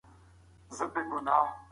کمپيوټر مهارت زياتوي.